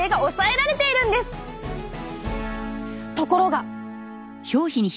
ところが！